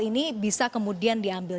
ini bisa kemudian diambil